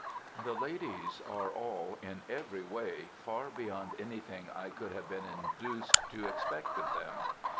The ladies are all, in every way, far beyond anything I could have been induced to expect of them.